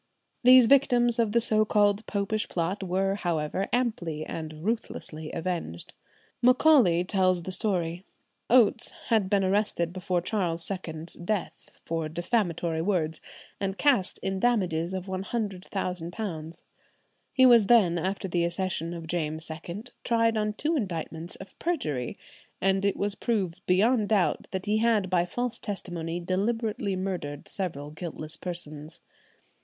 These victims of the so called Popish Plot were, however, amply and ruthlessly avenged. Macaulay tells the story. Oates had been arrested before Charles II's death for defamatory words, and cast in damages of £100,000. He was then, after the accession of James II, tried on two indictments of perjury, and it was proved beyond doubt that he had by false testimony deliberately murdered several guiltless persons.